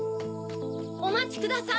・おまちください！